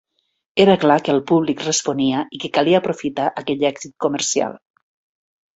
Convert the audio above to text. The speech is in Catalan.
Era clar que el públic responia i que calia aprofitar aquell èxit comercial.